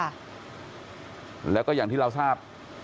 แล้วก็อย่างที่เราทราบ